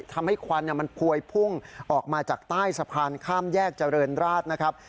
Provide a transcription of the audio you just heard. ควันมันพวยพุ่งออกมาจากใต้สะพานข้ามแยกเจริญราชนะครับ